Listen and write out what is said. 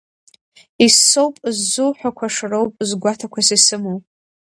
Иссоуп ззуҳәақәаша роуп згәаҭақәас исымоу.